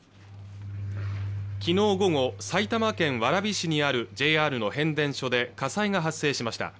昨日午後埼玉県蕨市にあるＪＲの変電所で火災が発生しました